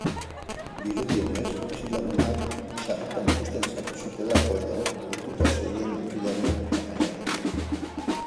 Dirudienez, bizilagunak, sarritan ikusten zutelako edo, ohituta zeuden mutilaren tamainarekin.